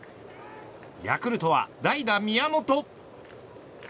ヤクルトは代打、宮本。